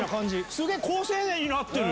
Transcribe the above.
すげー好青年になってる。